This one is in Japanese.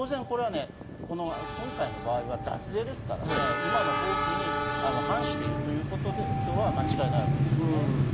今回の場合は脱税ですから、今の法規に反しているということは間違いないです。